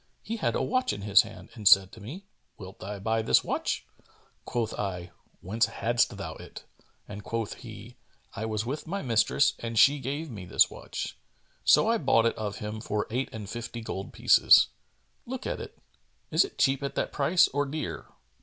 He had a watch in his hand and said to me, 'Wilt thou buy this watch?' Quoth I, 'Whence hadst thou it?'; and quoth he, 'I was with my mistress and she gave me this watch.' So I bought it of him for eight and fifty gold pieces. Look at it: is it cheap at that price or dear?'